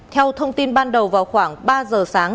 theo thông tin ban đầu vào khoảng ba giờ sáng